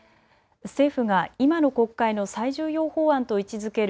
政府が今の国会の最重要法案と位置づける